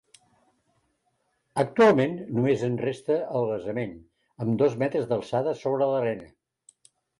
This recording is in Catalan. Actualment només en resta el basament, amb dos metres d'alçada sobre l'arena.